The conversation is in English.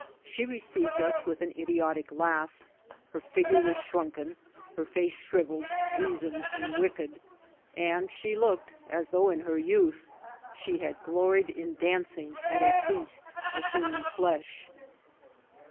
She received us with an idiotic laugh ; her fig ure was shrunken ; her face shrivelled, weazened, and wicked ; and she locked as though, in her youth, she had Retried in dancing at a feast of human flesh.